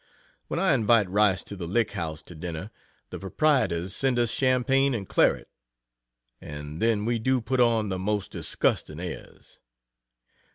When I invite Rice to the Lick House to dinner, the proprietors send us champagne and claret, and then we do put on the most disgusting airs.